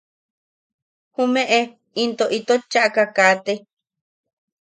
Jumeʼe into itot chaʼaka kaate.